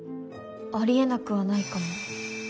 ありえなくはないかも。